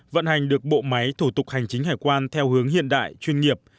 vận hành được bộ máy thủ tục hành chính hải quan theo hướng hiện đại chuyên nghiệp